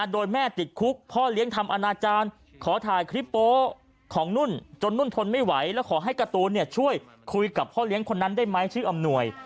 โดยแม่ติดคุกพ่อเลี้ยงทำอนาจารย์ขอถ่ายคลิปโป๊ของนุ่นจนนุ่นทนไม่ไหวแล้วขอให้การ์ตูนช่วยคุยกับพ่อเลี้ยงคนนั้นได้ไหมชื่ออำนวย